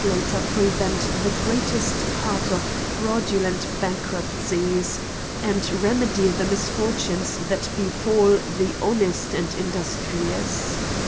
133 prevent the greatest part of fraudulent bankrupt cies, and remedy the nusfortunes that befal the honest and industrious